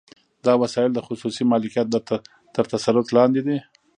دا وسایل د خصوصي مالکیت تر تسلط لاندې دي